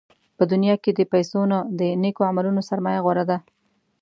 په دنیا کې د پیسو نه، د نېکو عملونو سرمایه غوره ده.